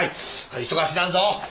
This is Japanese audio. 忙しなるぞ。